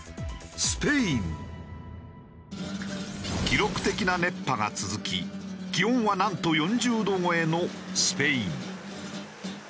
記録的な熱波が続き気温はなんと４０度超えのスペイン。